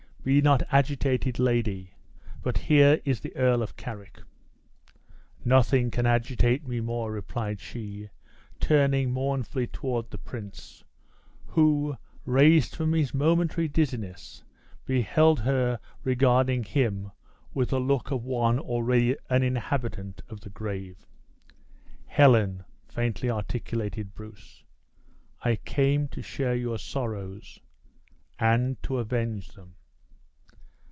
"Be not agitated, lady; but here is the Earl of Carrick." "Nothing can agitate me more," replied she, turning mournfully toward the prince; who, raised from his momentary dizziness, beheld her regarding him with the look of one already an inhabitant of the grave. "Helen!" faintly articulated Bruce; "I come to share your sorrows, and to avenge them."